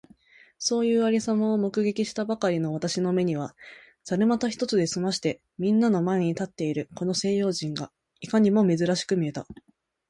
そういう有様を目撃したばかりの私の眼めには、猿股一つで済まして皆みんなの前に立っているこの西洋人がいかにも珍しく見えた。